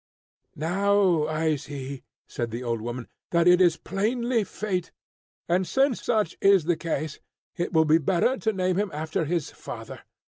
"Now I see," said the old woman, "that it is plainly fate. And since such is the case, it will be better to name him after his father.